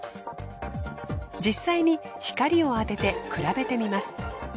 実際に光を当てて比べてみます。